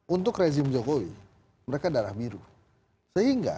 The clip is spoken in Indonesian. untuk rezim jokowi mereka darah biru